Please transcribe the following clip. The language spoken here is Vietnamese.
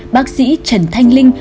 bác sĩ trần thanh linh